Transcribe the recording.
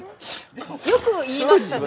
よく言いましたね。